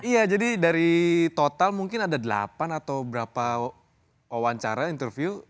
iya jadi dari total mungkin ada delapan atau berapa wawancara interview